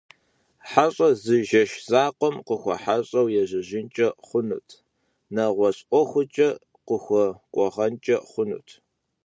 Хьэщӏэр зы жэщ закъуэм къыхуэхьэщӏэу ежьэжынкӏэ хъунут, нэгъуэщӏ ӏуэхукӏэ къыхуэкӏуагъэнкӏэ хъунут.